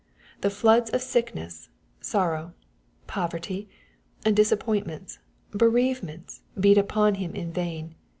The floods of sickness, sorrow, poverty, disappointments, bereavements beat upon him in vain.